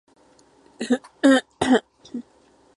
你才十二岁，你懂什么炒股？